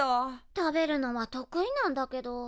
食べるのは得意なんだけど。